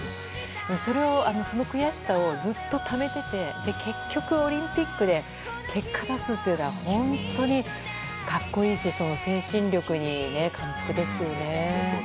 でもその悔しさをずっとためてて結局、オリンピックで結果を出すというのは本当に格好いいし精神力に感服ですよね。